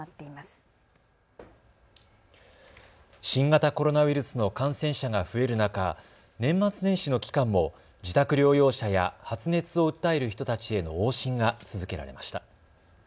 新型コロナウイルスの感染者が増える中、年末年始の期間も自宅療養者や発熱を訴える人たちへの往診が続けられました。